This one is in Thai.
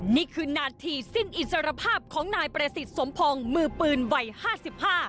นี่คือนาทีสิ้นอิสรภาพของนายประสิทธิ์สมพงศ์มือปืนวัยห้าสิบห้า